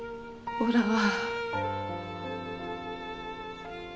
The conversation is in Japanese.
おらは。